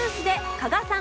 加賀さん！